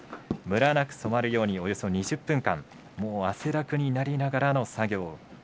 ムラなく染まるようにおよそ２０分間もう汗だくになりながらの作業